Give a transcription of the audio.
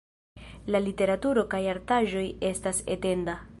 La literaturo kaj artaĵoj estas etenda.